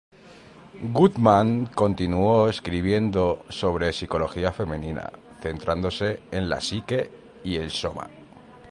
Woodman continuó escribiendo sobre psicología femenina, centrándose en la psique y el soma.